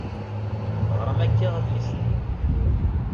Teɣṛam akka adlis-nni?